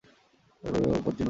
এই ঘটনার কোনো চিহ্ন থাকবে না।